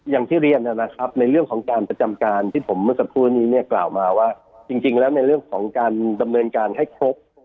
อย่างที่เรียนนะครับในเรื่องของการประจำการที่ผมเมื่อสักครู่นี้เนี่ยกล่าวมาว่าจริงแล้วในเรื่องของการดำเนินการให้ครบ